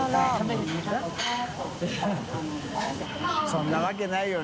そんなわけないよ。